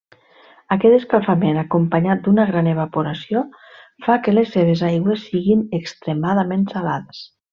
Aquest escalfament, acompanyat d'una gran evaporació, fa que les seves aigües siguin extremadament salades.